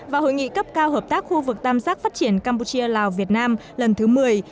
và hội nghị cấp cao hợp tác khu vực tam giác phát triển campuchia lào việt nam lần thứ một mươi